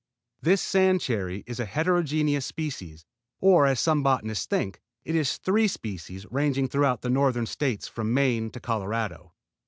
This sand cherry is a heterogeneous species, or as some botanists think, is three species, ranging throughout the Northern States from Maine to Colorado.